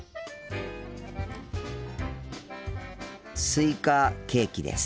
スイカケーキです。